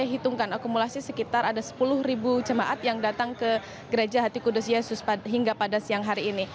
saya hitungkan akumulasi sekitar ada sepuluh jemaat yang datang ke gereja hati kudus yesus hingga pada siang hari ini